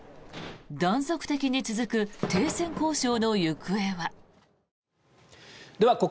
断続的に続く停戦交渉の行方は。